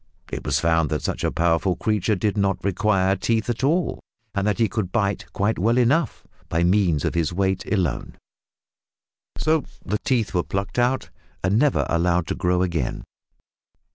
It was found that such a powerful creature did not require teeth at all, that he could "bite" quite well enough by means of his weight alone, so the teeth were plucked out and never allowed to grow again.